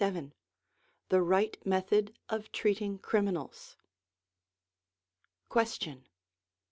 LXXVII THE RIGHT METHOD OF TREATING CRIMINALS Question.